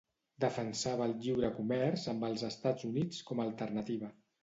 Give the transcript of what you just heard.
Defensava el lliure comerç amb els Estats Units com a alternativa.